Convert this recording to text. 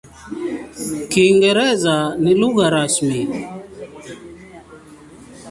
Kiingereza ni lugha rasmi.